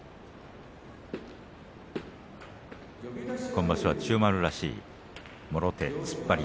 今場所は千代丸らしいもろ手、突っ張り